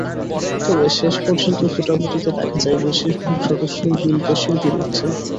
তবে শেষ পর্যন্ত ভোটাভুটিতে দেখা যায়, বেশির ভাগ সদস্যই বিল পেশের বিরুদ্ধে।